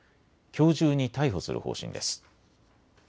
きょう中に逮捕する方針です。